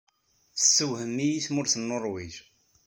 Tessewhem-iyi tmurt n Nuṛwij.